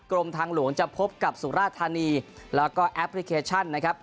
กรมทางหลวงจะพบกับสุราธานีแล้วก็แอปพลิเคชันนะครับ